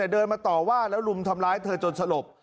เดินมาต่อว่าแล้วรุมทำร้ายเธอจนสลบ